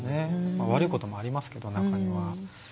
悪いこともありますけど中には。